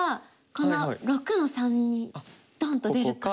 この６の三にドンと出るかで。